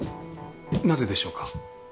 なぜでしょうか？